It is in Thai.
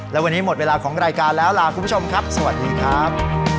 และวันนี้หมดเวลาของรายการแล้วลาคุณผู้ชมครับสวัสดีครับ